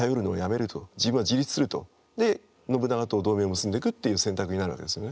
で信長と同盟を結んでいくっていう選択になるわけですよね。